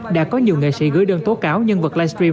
đã có nhiều nghệ sĩ gửi đơn tố cáo nhân vật live stream